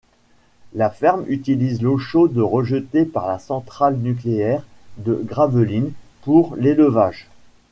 La ferme utilise l'eau chaude rejetée par la centrale nucléaire de Gravelines pour l'élevage.